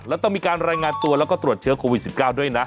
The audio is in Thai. แล้วต้องมีการรายงานตัวแล้วก็ตรวจเชื้อโควิด๑๙ด้วยนะ